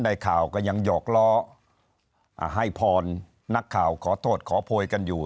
ข่าวก็ยังหยอกล้อให้พรนักข่าวขอโทษขอโพยกันอยู่